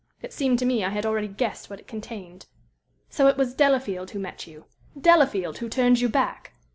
It seemed to me I had already guessed what it contained. "So it was Delafield who met you Delafield who turned you back?